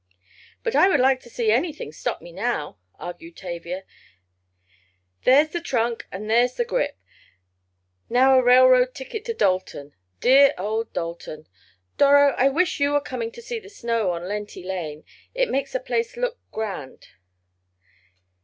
"But I would like to see anything stop me now," argued Tavia. "There's the trunk and there's the grip. Now a railroad ticket to Dalton—dear old Dalton! Doro, I wish you were coming to see the snow on Lenty Lane. It makes the place look grand."